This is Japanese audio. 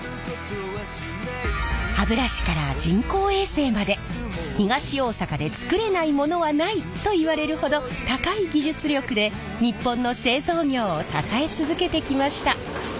歯ブラシから人工衛星まで東大阪で作れないものはないといわれるほど高い技術力で日本の製造業を支え続けてきました。